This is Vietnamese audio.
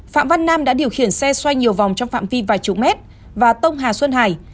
phạm văn nam đã điều khiển xe xoay nhiều vòng trong phạm vi vài chục mét và tông hà xuân hải